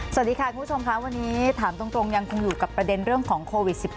สวัสดีค่ะคุณผู้ชมค่ะวันนี้ถามตรงยังคงอยู่กับประเด็นเรื่องของโควิด๑๙